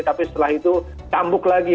tapi setelah itu cambuk lagi